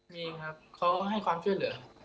มีครับเขาให้ความช่วยเหลือ